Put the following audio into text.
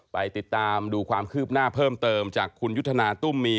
ไปติดตามดูความคืบหน้าเพิ่มเติมจากคุณยุทธนาตุ้มมี